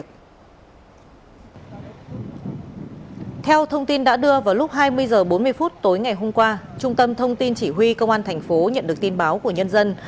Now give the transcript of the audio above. theo thông tin đã đưa vào lúc hai mươi h bốn mươi phút tối ngày hôm qua trung tâm thông tin chỉ huy công an thành phố nhận được tin báo của nhân dân